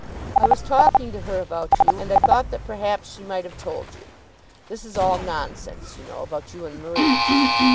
"I was talking to her about you, and I thought that perhaps she might have told you. This is all nonsense, you know, about you and Marie."